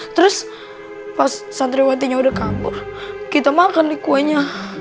terus pas santriwatinya udah kabur kita makan di kuenya